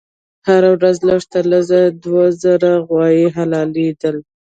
هر ورځ به لږ تر لږه دوه زره غوایي حلالېدل.